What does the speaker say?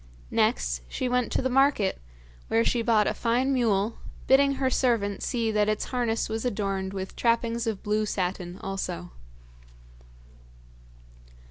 Next she went to the market, where she bought a fine mule, bidding her servant see that its harness was adorned with trappings of blue satin also.